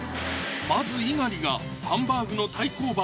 まず猪狩がハンバーグの対抗馬